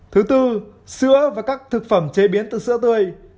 thứ tư sữa và các thực phẩm chế biến từ sữa tươi